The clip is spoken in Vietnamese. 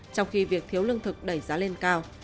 trong khi việc thiếu lương thực đẩy giá lên cao